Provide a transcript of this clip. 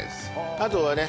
あとはね